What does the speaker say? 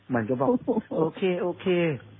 มันก็บอกโอเคโอเค